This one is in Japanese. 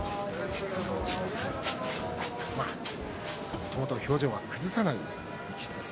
もともと表情は崩さない力士です。